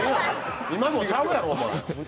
今もちゃうやろ！